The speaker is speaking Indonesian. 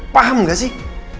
paham nggak sih